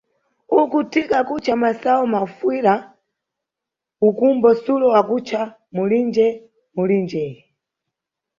Uku Thika ankutca masayu mafuyira, ukumbo Sulo akutca mulige-mulige.